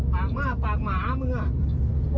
ปากมากปากหมามึงอ่ะ